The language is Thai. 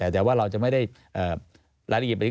แต่ว่าเราจะไม่ได้รายละเอียดแบบนี้